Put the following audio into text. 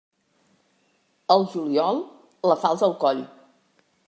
Al juliol, la falç al coll.